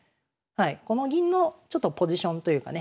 この銀のちょっとポジションというかね